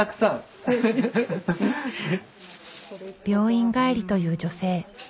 病院帰りという女性。